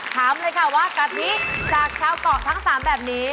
ถามเลยว่ากะทิจากชาวก่อกทั้ง๓แบบนี้